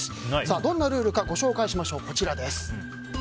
どんなルールかご紹介します。